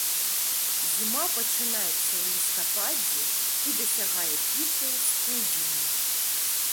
Зіма пачынаецца ў лістападзе і дасягае піку ў студзені.